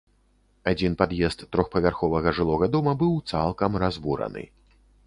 Адзін пад'езд трохпавярховага жылога дома быў цалкам разбураны.